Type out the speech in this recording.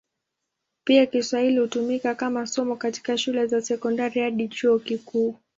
Pia Kiswahili hutumika kama somo katika shule za sekondari hadi chuo kikuu.